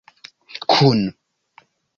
kun